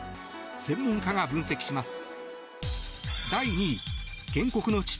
専門家が分析します。